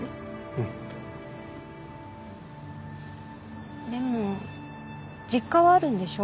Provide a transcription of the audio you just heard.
うんでも実家はあるんでしょ？